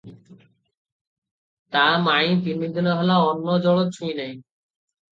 ତା ମାଇଁ ତିନି ଦିନ ହେଲା ଅନ୍ନ ଜଳ ଛୁଇଁ ନାହିଁ ।